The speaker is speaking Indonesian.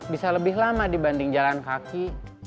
bisa lebih lama dibanding jalan kaki